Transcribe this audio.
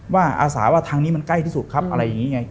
อาสาว่าทางนี้มันใกล้ที่สุดครับอะไรอย่างนี้ไง